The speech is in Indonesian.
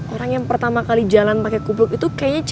orang yang pertama kali jalan pake kupluk itu kayaknya cinta